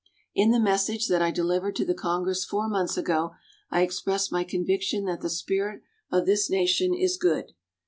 In the message that I delivered to the Congress four months ago, I expressed my conviction that the spirit of this nation is good.